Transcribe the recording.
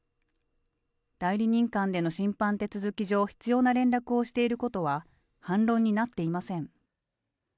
代理人間での審判手続き上、必要な連絡をしていることは、反論になっていません。